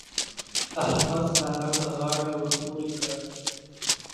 احمد؛ سارا ته غاړه ور پورې کړه.